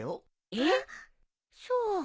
えっそう。